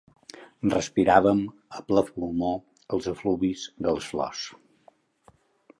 Respiràvem a ple pulmó els efluvis de les flors.